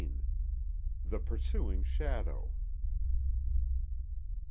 THE PURSUING SHADOW.